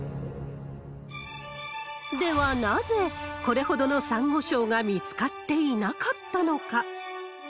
では、なぜこれほどのサンゴ礁が見つかっていなかったのか。